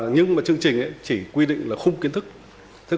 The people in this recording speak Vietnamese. nhưng mà chương trình chỉ quy định là khung kiến thức